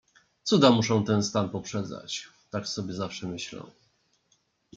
"Cuda muszą ten stan poprzedzać, tak sobie zawsze myślę."